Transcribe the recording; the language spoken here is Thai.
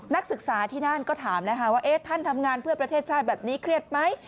นักศึกษาที่นั่นก็ถามนะคะว่าท่านทำงานเพื่อประเทศชาติแบบนี้เครียดไหม